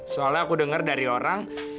soalnya aku dengar dari orang